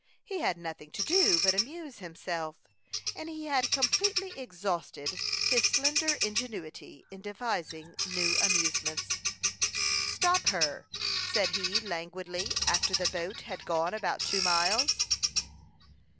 He had nothing to do but amuse himself, and he had completely exhausted his slender ingenuity in devising new amusements. "Stop her," said he, languidly, after the boat had gone about two miles.